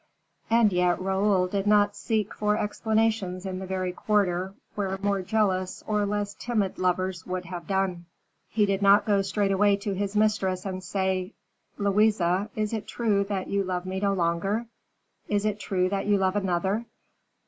And yet Raoul did not seek for explanations in the very quarter where more jealous or less timid lovers would have done. He did not go straightaway to his mistress, and say, "Louise, is it true that you love me no longer? Is it true that you love another?"